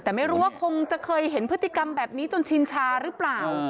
แต่ไม่รู้ว่าคงจะเคยเห็นพฤติกรรมแบบนี้จนชินชาหรือเปล่า